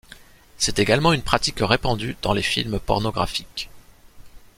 C'est également une pratique répandue dans les films pornographiques.